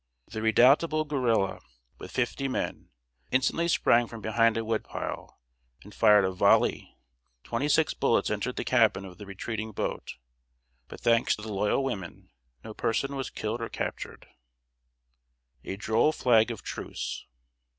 The redoubtable guerrilla, with fifty men, instantly sprang from behind a wood pile and fired a volley. Twenty six bullets entered the cabin of the retreating boat; but, thanks to the loyal women, no person was killed or captured. [Sidenote: A DROLL FLAG OF TRUCE.